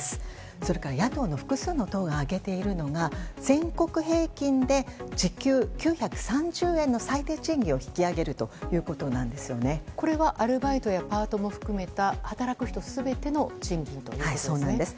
それから野党の複数の党が挙げているのが全国平均で時給９３０円の最低賃金をこれはアルバイトやパートも含めた働く人全ての賃金ということですね。